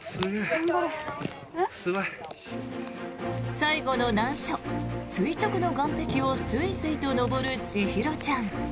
最後の難所、垂直の岸壁をすいすいと登る千尋ちゃん。